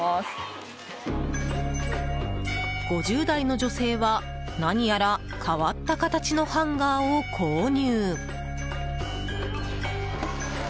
５０代の女性は、何やら変わった形のハンガーを購入。